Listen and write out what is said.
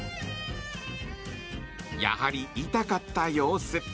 やはり痛かった様子。